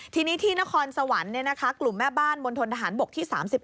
ทีนี้ที่นครสวรรค์กลุ่มแม่บ้านมณฑนทหารบกที่๓๑